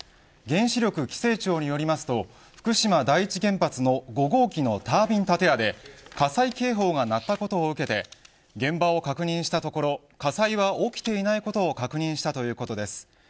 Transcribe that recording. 原子力規制庁によりますと福島第一原発の５号機のタービン建屋で火災警報が鳴ったことを受けて現場を確認したところ火災が起きていないことを確認したということです。